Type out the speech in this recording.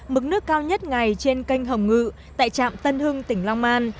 mức nước cao nhất ngày trên kênh hồng ngự tại trạm tân hưng tỉnh long an